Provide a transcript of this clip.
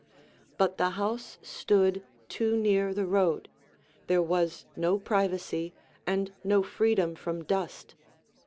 But the house stood too near the road; there was no privacy and no freedom from dust.